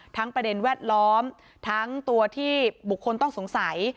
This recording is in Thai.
ประเด็นแวดล้อมทั้งตัวที่บุคคลต้องสงสัย